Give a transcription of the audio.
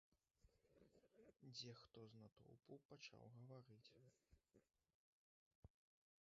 Дзе хто з натоўпу пачаў гаварыць.